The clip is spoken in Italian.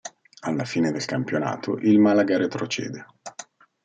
Alla fine del campionato il Malaga retrocede.